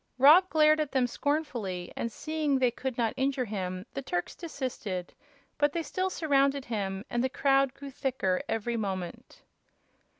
Rob glared at them scornfully, and seeing they could not injure him the Turks desisted; but they still surrounded him, and the crowd grew thicker every moment.